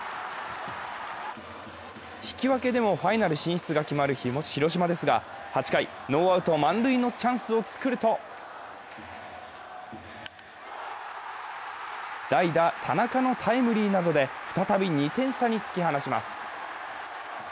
引き分けでもファイナル進出が決まる広島ですが８回、ノーアウト満塁のチャンスを作ると代打・田中のタイムリーなどで再び２点差に突き放します。